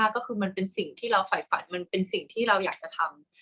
ก็คือมันเป็นสิ่งที่เราฝ่ายฝันมันเป็นสิ่งที่เราอยากจะทำ